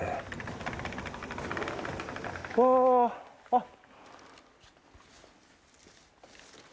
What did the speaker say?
あっ。